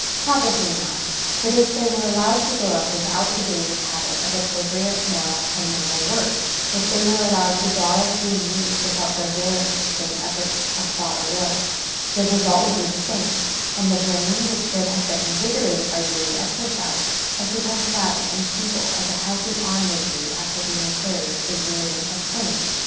Probably not ; but if they were allowed to grow up without the daily habit of appropriate moral and mental work, if they were allowed to dawdle through youth without regular and sustained efforts of thought or will, the result would be the same, and the brain which should have been invigorated by daily exercise has become flabby and feeble as a healthy arm would be after being carried for years in a sling.